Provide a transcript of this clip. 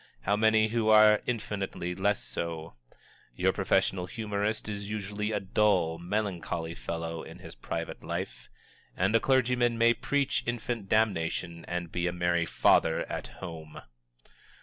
How many who are infinitely less so! Your professional humorist is usually a dull, melancholy fellow in his private life and a clergyman may preach infant damnation and be a merry father at home.